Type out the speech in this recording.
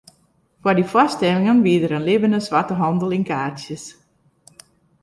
Foar dy foarstellingen wie der in libbene swarte handel yn kaartsjes.